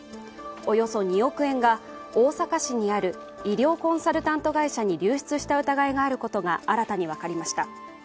およそ２億円が大阪市にある医療コンサルタント会社に流出した疑いがあることが新たに分かりました。